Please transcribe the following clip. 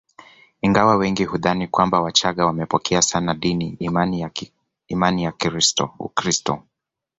Ingawa wengi hudhani kwamba wachaga wamepokea sana dini imani ya Ukristo